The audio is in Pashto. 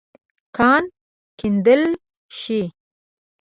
کان کیندل شې.